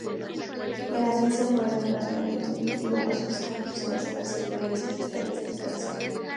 En la ciencia moderna, el razonamiento inductivo basa sus conclusiones en las inferencias estadísticas.